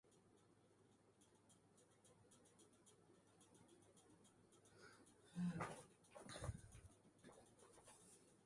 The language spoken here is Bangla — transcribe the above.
তার বাচ্চাটিকে কুয়াতে ফেলা হয়েছে, এটা সে জানল কীভাবে?